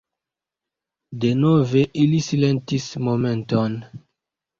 Denove ili silentis momenton.